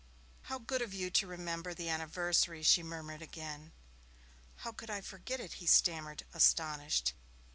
'How good of you to remember the anniversary,' she murmured again. 'How could I forget it?' he stammered, astonished.